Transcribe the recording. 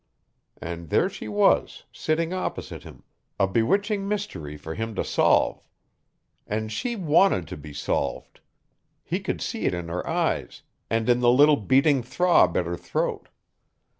And there she was, sitting opposite him, a bewitching mystery for him to solve. And she WANTED to be solved! He could see it in her eyes, and in the little beating throb at her throat.